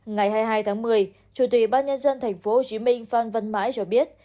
ngày hai mươi hai tháng một mươi chủ tịch bác nhân dân tp hcm phan văn mãi cho biết